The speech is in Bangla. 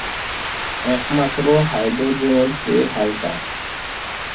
একমাত্র হাইড্রোজেন এর চেয়ে হালকা।